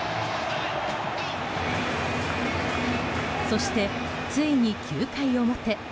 そして、ついに９回表。